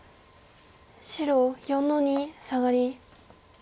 白４の二サガリ。